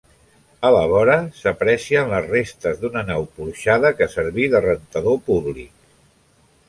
A la vora s'aprecien les restes d'una nau porxada que serví de rentador públic.